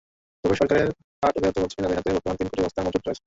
তবে সরকারের পাট অধিদপ্তর বলছে, তাদের হাতে বর্তমানে তিন কোটি বস্তা মজুত রয়েছে।